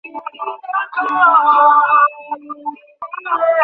শ্রীশ বলিয়া উঠিল, না চন্দ্রবাবু, আমি ও-সব সৌন্দর্য-মাধুর্যের কথা আনছিই নে।